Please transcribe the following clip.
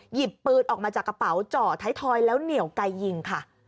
หยิบปืนออกมาจากกระเป๋าเจาะไทยทอยแล้วเหนียวไกลยิงค่ะ